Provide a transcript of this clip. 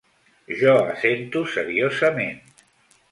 Jo assento seriosament.